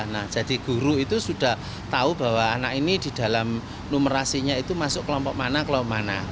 nah jadi guru itu sudah tahu bahwa anak ini di dalam numerasinya itu masuk kelompok mana kelompok mana